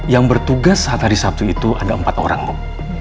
yang bertugas saat hari sabtu itu ada empat orang bu